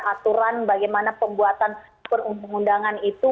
aturan bagaimana pembuatan perundangan itu